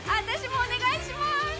私もお願いします！